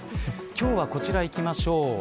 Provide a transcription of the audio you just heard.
今日はこちらいきましょう。